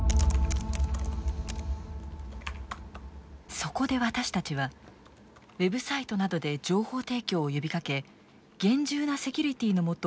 そこで私たちはウェブサイトなどで情報提供を呼びかけ厳重なセキュリティーのもと